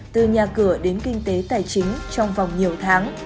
từ nhà cửa đến kinh tế tài chính trong vòng nhiều tháng